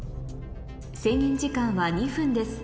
制限時間は２分です